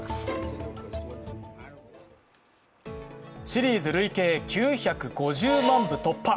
シリーズ累計９５０万部突破。